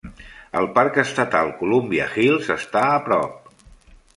El parc estatal Columbia Hills està a prop.